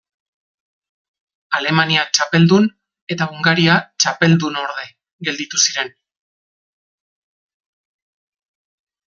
Alemania txapeldun eta Hungaria txapeldunorde gelditu ziren.